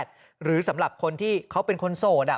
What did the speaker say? กรุงเทพฯมหานครทำไปแล้วนะครับ